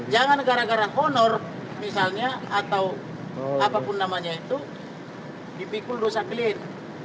jangan gara gara honor misalnya atau apapun namanya itu dipikul dosa klien